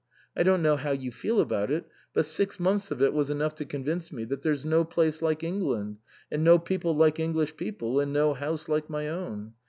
I don't know how you feel about it, but six months of it was enough to convince me that there's no place like England, and no people like English people, and no house like my own.